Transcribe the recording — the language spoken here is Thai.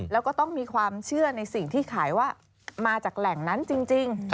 แล้วก็ต้องมีความเชื่อในสิ่งที่ขายว่ามาจากแหล่งนั้นจริง